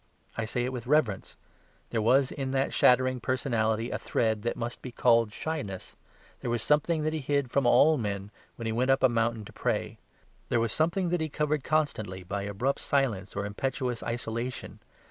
I say it with reverence; there was in that shattering personality a thread that must be called shyness. There was something that He hid from all men when He went up a mountain to pray. There was something that He covered constantly by abrupt silence or impetuous isolation.